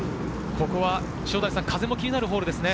ここは風も気になるホールですね。